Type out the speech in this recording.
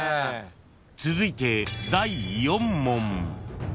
［続いて第４問］